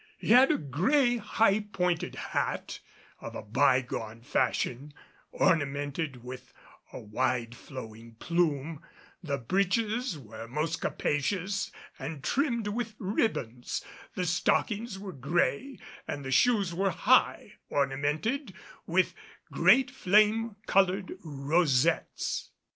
He had a gray, high pointed hat, of a bygone fashion, ornamented with a wide flowing plume; the breeches were most capacious and trimmed with ribbons; the stockings were gray and the shoes were high, ornamented with great flame colored rosettes.